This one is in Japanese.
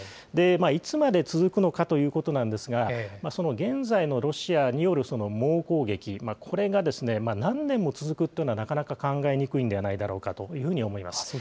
いつまで続くのかということなんですが、その現在のロシアによる猛攻撃、これが何年も続くというのはなかなか考えにくいんではないだろうかというふうに思います。